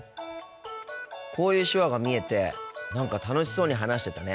こういう手話が見えて何か楽しそうに話してたね。